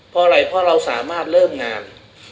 เพราะอะไรเพราะเราสามารถเริ่มงาน